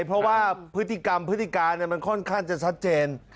เพราะว่าพฤติกรรมพฤติการมันค่อนข้างจะชัดเจน